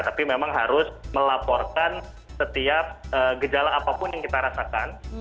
tapi memang harus melaporkan setiap gejala apapun yang kita rasakan